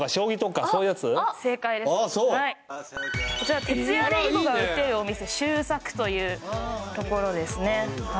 惜しいこちら徹夜で囲碁が打てるお店秀策というところですね